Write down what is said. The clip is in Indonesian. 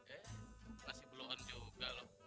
eh masih belon juga loh